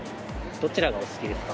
どちらがお好きですか？